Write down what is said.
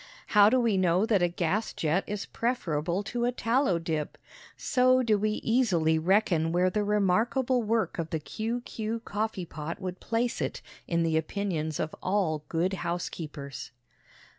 How do we know that a gas jet is preferable to a tallow dip? So do we easily reckon where the remarkable work of the Q. Q. coffee pot would place it in the opinions of all good housekeepers.